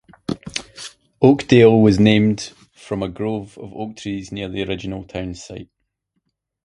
Oakdale was named from a grove of oak trees near the original town site.